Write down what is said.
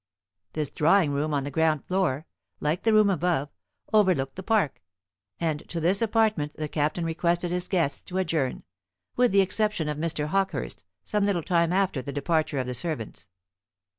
This drawing room on the ground floor, like the room above, overlooked the Park, and to this apartment the Captain requested his guests to adjourn, with the exception of Mr. Hawkehurst, some little time after the departure of the servants.